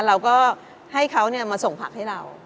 เราก็ให้เขามาส่งผักให้เรา